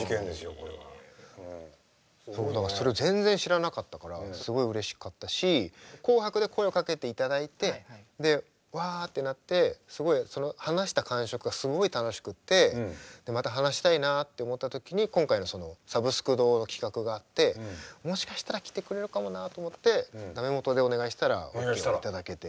これは。それを全然知らなかったからすごいうれしかったし「紅白」で声をかけていただいてわってなってその話した感触がすごい楽しくてまた話したいなって思った時に今回の「サブスク堂」の企画があってもしかしたら来てくれるかもなと思って駄目元でお願いしたら来ていただけて。